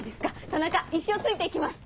田中一生ついて行きます！